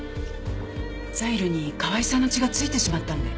ザイルに河合さんの血が付いてしまったんで。